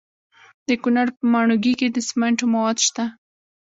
د کونړ په ماڼوګي کې د سمنټو مواد شته.